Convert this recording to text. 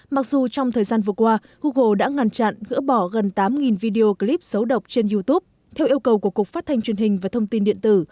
mặc dù trong thời gian vừa qua google đã ngăn chặn gỡ bỏ gần tám video clip xấu độc trên youtube theo yêu cầu của cục phát thanh truyền hình và thông tin điện tử